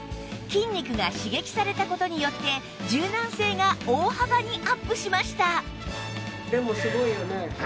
筋肉が刺激された事によって柔軟性が大幅にアップしました